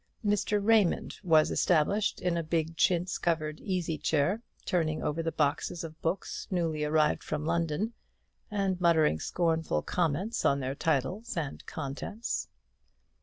Mr. Raymond was established in a big chintz covered easy chair, turning over a box of books newly arrived from London, and muttering scornful comments on their titles and contents.